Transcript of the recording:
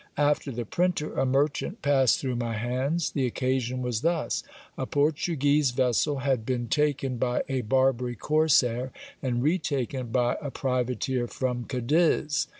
After the printer, a merchant passed through my hands; the occasion was thus: A Portuguese vessel had been taken by a Barbary corsair, and re taken by a privateer from Cadiz.